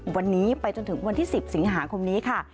วันนี้ไปจนถึงวันที่๑๐สิงหาคมนี้ค่ะ